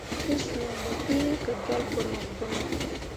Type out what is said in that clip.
Te suu ɓo yi ke jol bonok bonok.